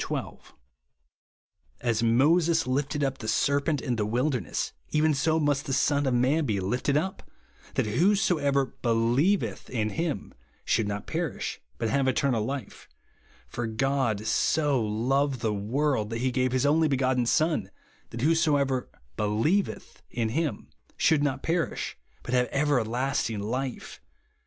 12). "As Moses lifted up the serpent in the wilderness, even so must the Son of man be lifted up, that whosoever believeth in him should not perish but have eternal life ; for God so loved the w^orld, that he gave his only begotten Son, that whosoever believeth in him should not perish, but have everlasting life.